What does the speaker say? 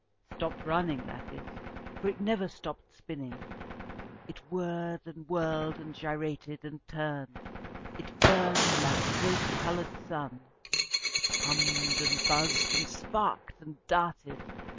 Stopped running, that is, for it never stopped spinning. It whirred, and whirled, and gyrated, and turned. It burned like a great coloured sun. It hummed, and buzzed, and sparked, and darted.